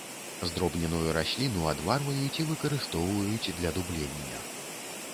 Здробненую расліну адварваюць і выкарыстоўваюць для дублення.